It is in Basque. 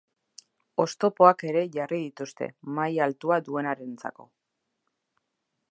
Oztopoak ere jarri dituzue, maila altua duenarentzako.